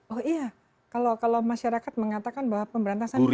oh iya kalau masyarakat mengatakan bahwa pemberantasan korupsi